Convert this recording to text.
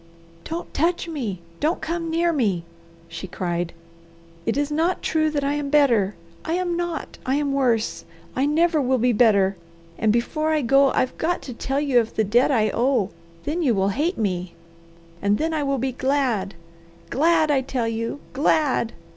"Don't touch me! Don't come near me!" she cried. "It is not true that I am better. I am not! I am worse! I never will be better. And before I go I've got to tell you of the debt I owe; then you will hate me, and then I will be glad! Glad, I tell you! Glad!